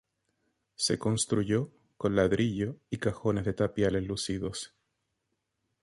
Se construyó con ladrillo y cajones de tapial enlucidos.